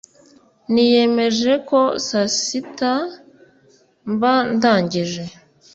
niyemeje ko saaa sita mba ndangije